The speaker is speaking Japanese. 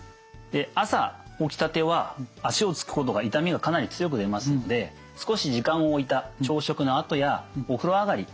朝起きたては足をつくことが痛みがかなり強く出ますので少し時間を置いた朝食のあとやお風呂上がり。